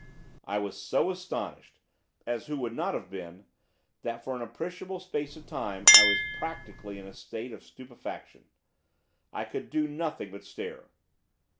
I was so astonished, as who would not have been? that for an appreciable space of time I was practically in a state of stupefaction. I could do nothing but stare.